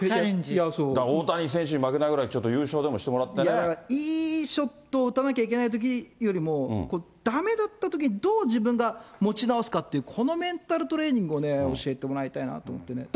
大谷選手に負けないぐらい、いや、いいショットを打たなきゃいけないときよりも、だめだったときに、どう自分が持ち直すかっていう、このメンタルトレーニングをね、教えてもらいたいなと思って。